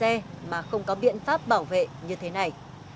xe mà không có biện pháp bảo vệ như thế này